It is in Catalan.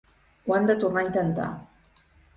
Ho hem tornat a intentar.